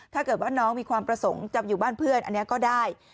ถ้าเกิดว่าน้องมีความประสงค์จะอยู่บ้านเพื่อนอันนี้ก็ได้